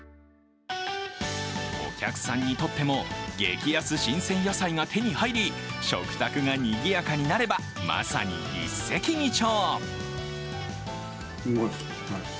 お客さんにとっても激安新鮮野菜が手に入り食卓がにぎやかになれば、まさに一石二鳥。